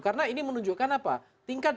karena ini menunjukkan apa tingkat